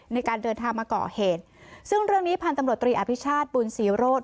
ในการเดินทางมาก่อเหตุซึ่งเรื่องนี้พันธุ์ตำรวจตรีอภิชาติบุญศรีโรธ